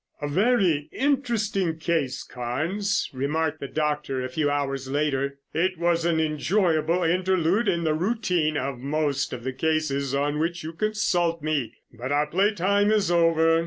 "A very interesting case, Carnes," remarked the doctor a few hours later. "It was an enjoyable interlude in the routine of most of the cases on which you consult me, but our play time is over.